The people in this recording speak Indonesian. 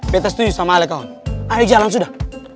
beta setuju sama ale kawan ayo jalan sudah